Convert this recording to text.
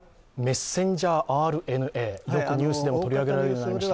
これは、メッセンジャーＲＮＡよくニュースでも取り上げられますが。